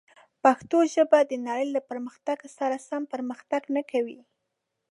پښتو ژبه د نړۍ له پرمختګ سره سم پرمختګ نه کوي.